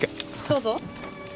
どうぞ。